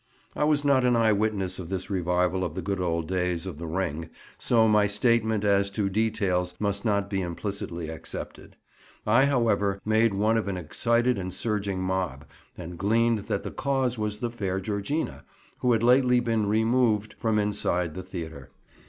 I was not an eye witness of this revival of the good old days of the ring, so my statement as to details must not be implicitly accepted. I, however, made one of an excited and surging mob, and gleaned that the cause was the fair Georgina, who had lately been "removed" from inside the theatre.